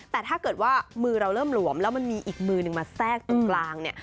แต่ถ้าเกิดว่ามือเราเริ่มหลวมแล้วมันมีอีกมือหนึ่งมาแทรกตรงกลางเนี่ย